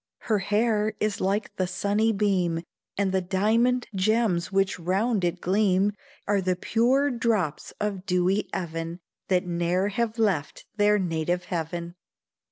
Her hair is like the sunny beam, And the diamond gems which round it gleam Are the pure drops of dewy even That ne'er have left their native heaven.